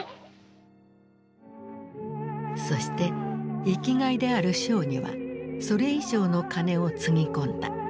そして生きがいであるショーにはそれ以上の金をつぎ込んだ。